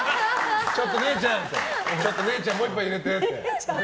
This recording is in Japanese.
ちょっと姉ちゃんもう１杯入れてって？